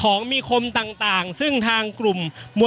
อย่างที่บอกไปว่าเรายังยึดในเรื่องของข้อ